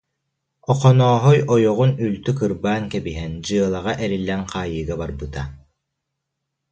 Охонооһой ойоҕун үлтү кырбаан кэбиһэн, дьыалаҕа эриллэн хаайыыга барбыта